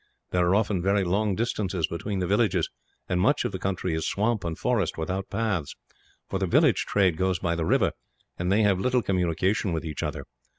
There are often very long distances between the villages, and much of the country is swamp and forest, without paths; for the village trade goes by the river, and they have little communication with each other.